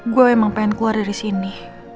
gue emang pengen keluar dari sini